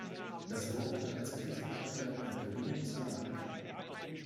Das Wort hat als Berichterstatter Herr Colino Salamanca.